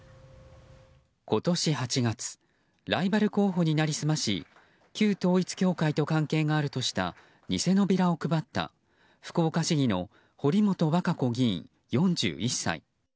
今年８月ライバル候補に成り済まし旧統一教会と関係があるとした偽のビラを配った福岡市議の堀本和歌子議員、４１歳。